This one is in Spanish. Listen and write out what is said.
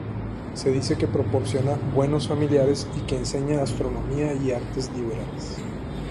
Se dice que proporciona buenos familiares y que enseña astronomía y artes liberales.